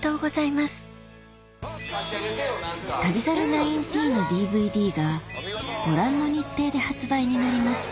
『旅猿１９』のＤＶＤがご覧の日程で発売になります